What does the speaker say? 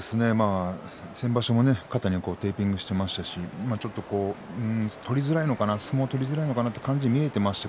先場所も肩にテーピングをしていましたし相撲が取りづらいのかなという感じが見えていました。